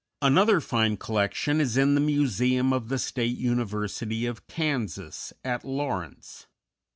Another fine collection is in the Museum of the State University of Kansas, at Lawrence.